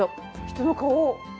人の顔。